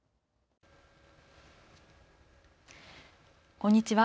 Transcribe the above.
こんにちは。